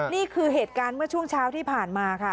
นี่คือเหตุการณ์เมื่อช่วงเช้าที่ผ่านมาค่ะ